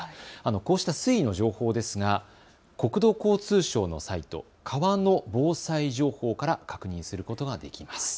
こうした水位の情報ですが国土交通省のサイト、川の防災情報から確認することができます。